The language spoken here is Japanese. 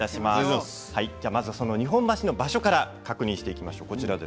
まず日本橋の場所から確認していきましょう。